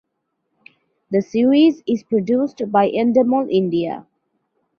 The series is produced by Endemol India.